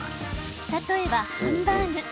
例えば、ハンバーグ。